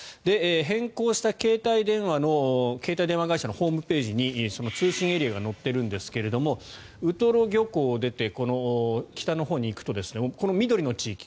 変更した携帯電話会社のホームページにその通信エリアが載っているんですがウトロ漁港を出て北のほうに行くと、緑の地域